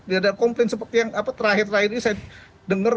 tidak ada komplain seperti yang terakhir terakhir ini saya dengar